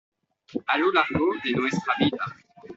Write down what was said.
a lo largo de nuestra vida.